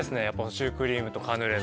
シュークリームとカヌレの。